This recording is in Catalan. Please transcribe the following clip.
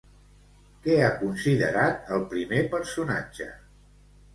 Què ha considerat el primer personatge?